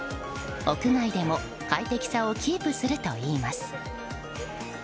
屋外でも快適さをキープするといいます。